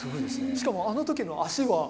しかもあの時の足は。